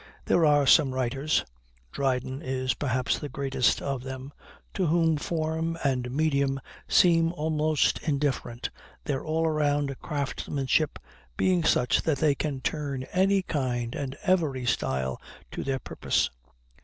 There are some writers Dryden is perhaps the greatest of them to whom form and medium seem almost indifferent, their all round craftsmanship being such that they can turn any kind and every style to their purpose.